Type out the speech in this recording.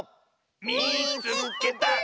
「みいつけた！」。